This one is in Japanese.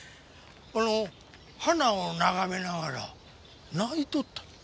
花を眺めながら泣いとった。